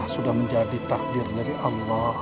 sudah menjadi takdir dari allah